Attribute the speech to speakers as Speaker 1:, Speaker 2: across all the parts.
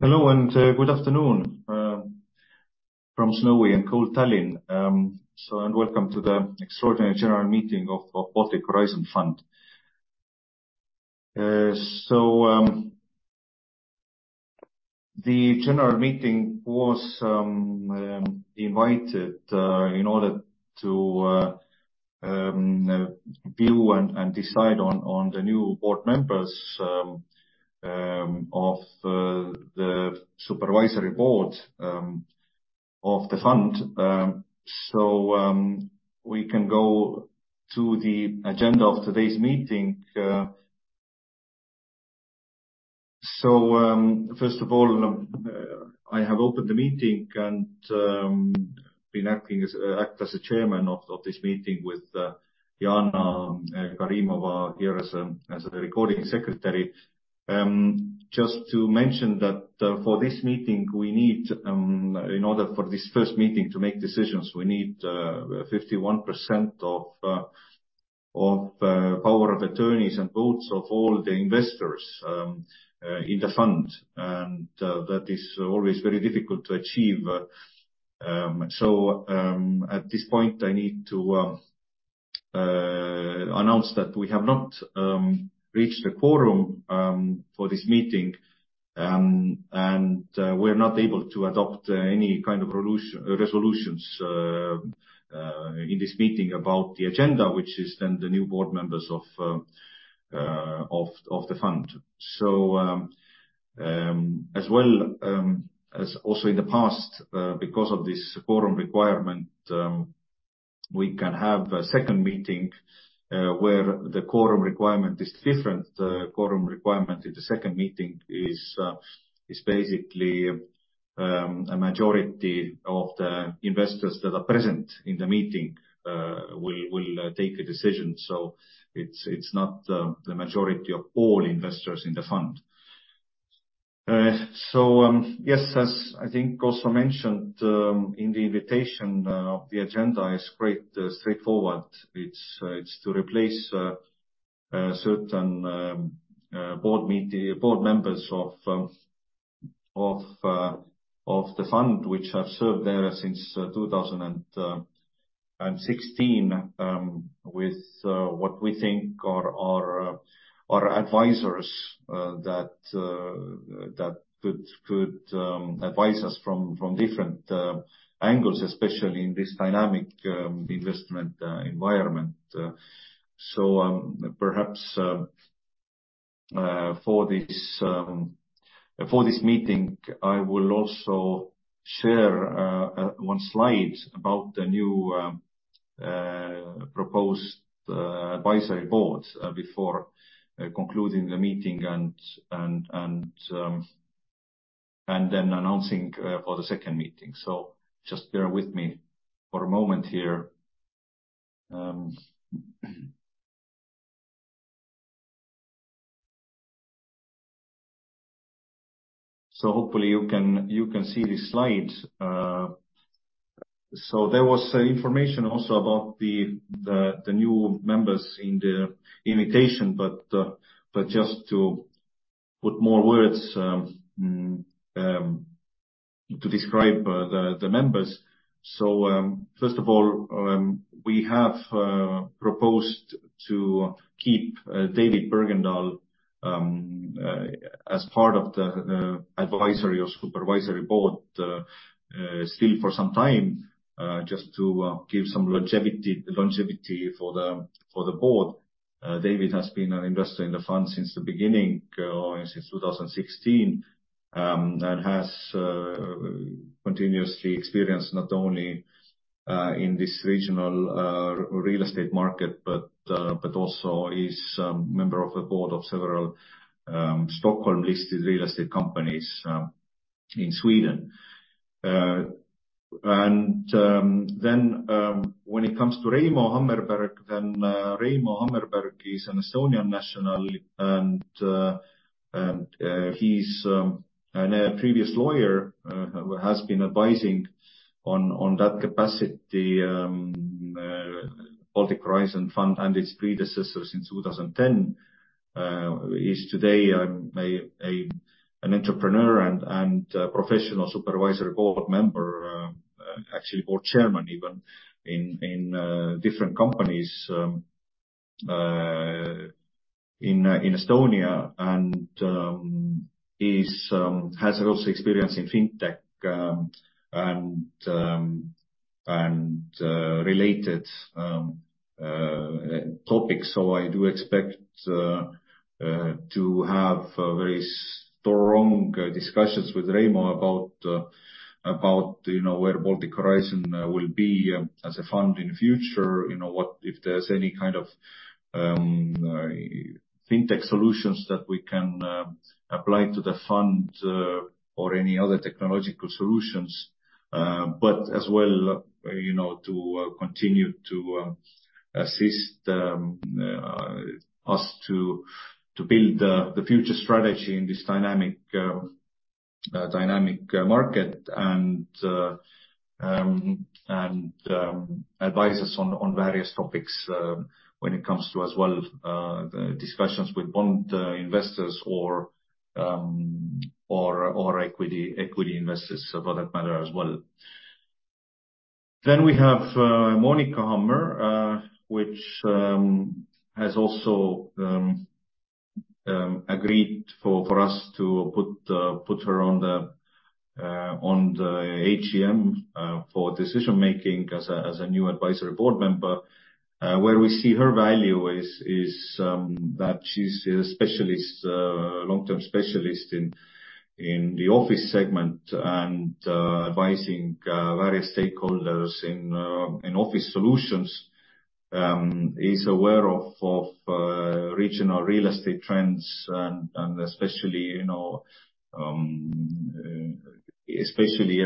Speaker 1: Hello, and good afternoon from snowy and cold Tallinn. And welcome to the Extraordinary General Meeting of Baltic Horizon Fund. The general meeting was invited in order to view and decide on the new board members of the supervisory board of the fund. We can go to the agenda of today's meeting. First of all, I have opened the meeting and been acting as chairman of this meeting with Jana Karimova here as a recording secretary. Just to mention that, for this meeting, we need... In order for this first meeting to make decisions, we need 51% of power of attorneys and votes of all the investors in the fund. That is always very difficult to achieve. At this point, I need to announce that we have not reached a quorum for this meeting. We're not able to adopt any kind of resolutions in this meeting about the agenda, which is then the new board members of the fund. As well as also in the past, because of this quorum requirement, we can have a second meeting where the quorum requirement is different. The quorum requirement in the second meeting is basically a majority of the investors that are present in the meeting will take a decision. So it's not the majority of all investors in the fund. So yes, as I think also mentioned, in the invitation of the agenda, is quite straightforward. It's to replace certain board members of the fund, which have served there since 2016. With what we think are our advisors that could advise us from different angles, especially in this dynamic investment environment. So, perhaps, for this meeting, I will also share one slide about the new proposed advisory board before concluding the meeting and then announcing for the second meeting. So just bear with me for a moment here. So hopefully you can see this slide. So there was information also about the new members in the invitation, but just to put more words to describe the members. So, first of all, we have proposed to keep David Bergendahl as part of the advisory or supervisory board still for some time, just to give some longevity for the board. David has been an investor in the fund since the beginning, since 2016, and has continuously experienced not only in this regional real estate market, but also is member of the board of several Stockholm-listed real estate companies in Sweden. And then, when it comes to Reimo Hammerberg, then Reimo Hammerberg is an Estonian national, and he's a previous lawyer who has been advising on that capacity Baltic Horizon Fund and its predecessors since 2010. Is today an entrepreneur and professional supervisory board member, actually board chairman, even in different companies in Estonia. He has also experience in fintech and related topics. So I do expect to have very strong discussions with Reimo about you know where Baltic Horizon will be as a fund in the future. You know, what if there's any kind of fintech solutions that we can apply to the fund or any other technological solutions. But as well, you know, to continue to assist us to build the future strategy in this dynamic market. And advise us on various topics when it comes to as well the discussions with bond investors or equity investors, for that matter, as well. Then we have Monica Hammer, which has also agreed for us to put her on the AGM for decision making as a new advisory board member. Where we see her value is that she's a specialist long-term specialist in the office segment and advising various stakeholders in office solutions. Is aware of regional real estate trends and especially, you know, especially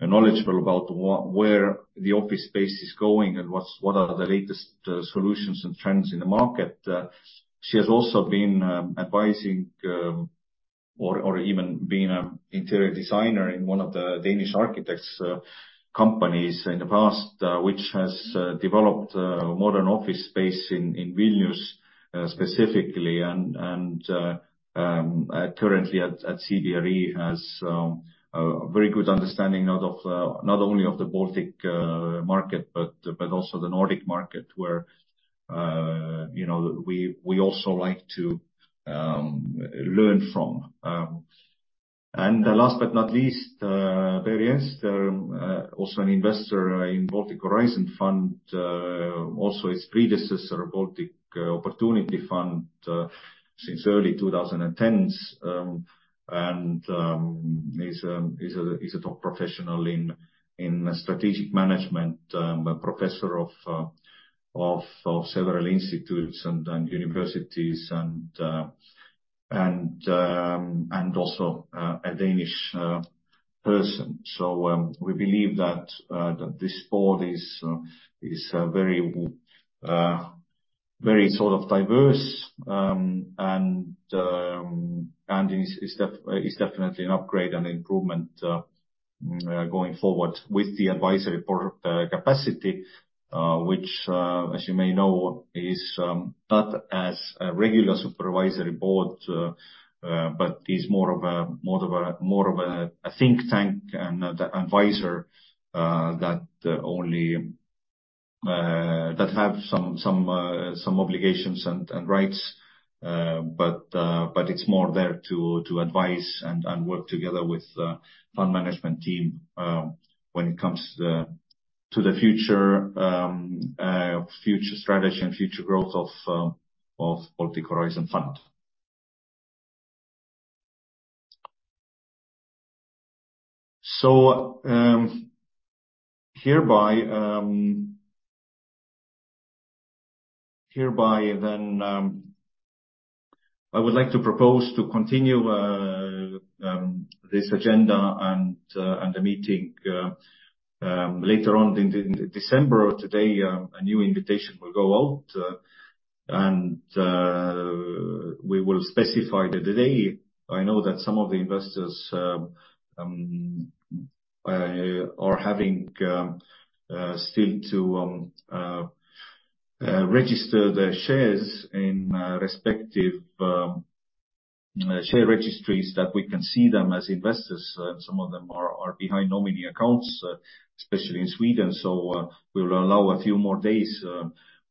Speaker 1: knowledgeable about where the office space is going and what are the latest solutions and trends in the market. She has also been advising, or even being an interior designer in one of the Danish architects companies in the past, which has developed modern office space in Vilnius specifically. And currently at CBRE, has a very good understanding, not only of the Baltic market, but also the Nordic market, where you know, we also like to learn from. And the last but not least, Per Jenster, also an investor in Baltic Horizon Fund, also its predecessor, Baltic Opportunity Fund, since early 2010s. And is a top professional in strategic management, a professor of several institutes and universities and also a Danish person. So, we believe that this board is very sort of diverse. And is definitely an upgrade and improvement going forward with the advisory board capacity, which, as you may know, is not as a regular supervisory board, but is more of a think tank and the advisor that only have some obligations and rights. But it's more there to advise and work together with fund management team, when it comes to the future strategy and future growth of Baltic Horizon Fund. So, hereby then, I would like to propose to continue this agenda and the meeting later on in the December of today. A new invitation will go out, and we will specify the day. I know that some of the investors are having still to register their shares in respective share registries, that we can see them as investors. Some of them are behind nominee accounts, especially in Sweden. So, we will allow a few more days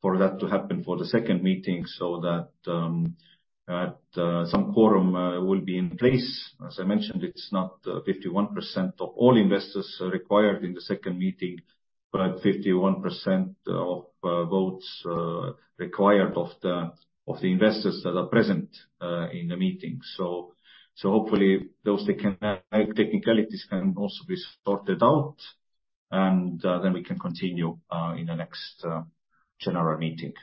Speaker 1: for that to happen for the second meeting, so that some quorum will be in place. As I mentioned, it's not 51% of all investors are required in the second meeting, but 51% of votes required of the investors that are present in the meeting. So, hopefully those technical, technicalities can also be sorted out, and then we can continue in the next general meeting.